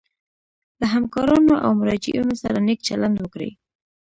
له همکارانو او مراجعینو سره نیک چلند وکړي.